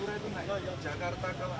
di tempat yang asli di jemaah